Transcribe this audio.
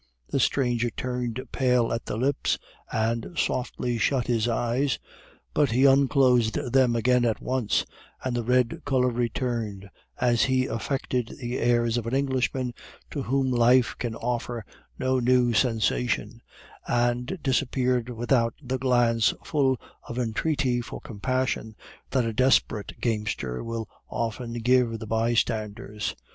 The stranger turned pale at the lips, and softly shut his eyes, but he unclosed them again at once, and the red color returned as he affected the airs of an Englishman, to whom life can offer no new sensation, and disappeared without the glance full of entreaty for compassion that a desperate gamester will often give the bystanders.